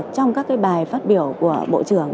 trong các bài phát biểu của bộ trưởng